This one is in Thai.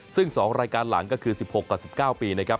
ซึ่ง๒รายการหลังก็คือ๑๖กับ๑๙ปีนะครับ